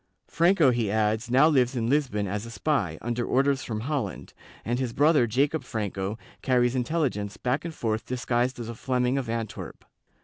Franco, he adds, now lives in Lisbon as a spy, under orders from Holland, and his brother Jacob Franco carries intelligence back and forth disguised as a Fleming of Antwerp.